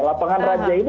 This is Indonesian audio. lapangan raja itu